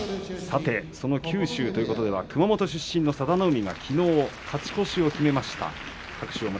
九州ということは熊本出身の佐田の海、きのう勝ち越しを決めました。